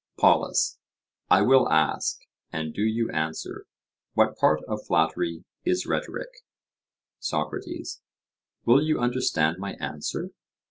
POLUS: I will ask and do you answer? What part of flattery is rhetoric? SOCRATES: Will you understand my answer?